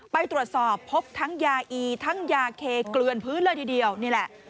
ไปตรวจสอบพบทั้งยาอีทั้งยาเคเกลือนพื้นเลยทีเดียวนี่แหละ